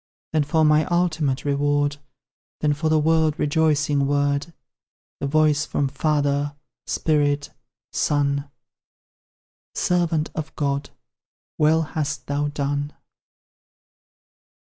Then for my ultimate reward Then for the world rejoicing word The voice from Father Spirit Son: "Servant of God, well hast thou done!"